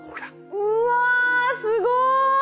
うわすごい！